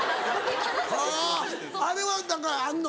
あぁあれは何かあんの？